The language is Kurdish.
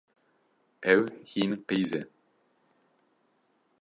Ew hîn qîz e.